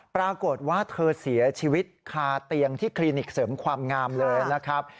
ปรากฏว่าเธอเสียชีวิตคาเตียงที่คลินิกเสริมความงามเลยนะครับ